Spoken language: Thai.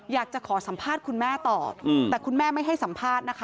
อยากจะขอสัมภาษณ์คุณแม่ต่อแต่คุณแม่ไม่ให้สัมภาษณ์นะคะ